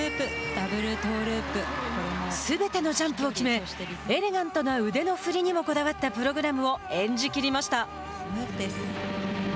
すべてのジャンプを決めエレガントな腕の振りにもこだわったプログラムを演じきりました。